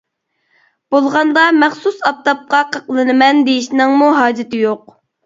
بولغاندا مەخسۇس ئاپتاپقا قاقلىنىمەن دېيىشنىڭمۇ ھاجىتى يوق.